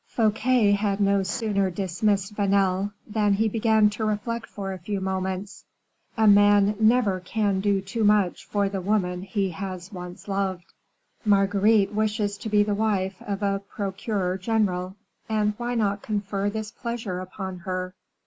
Fouquet had no sooner dismissed Vanel than he began to reflect for a few moments "A man never can do too much for the woman he has once loved. Marguerite wishes to be the wife of a procureur general and why not confer this pleasure upon her?